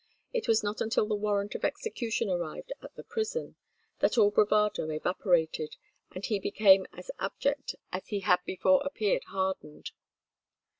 It was not until the warrant of execution arrived at the prison, that all bravado evaporated, and he became as abject as he had before appeared hardened.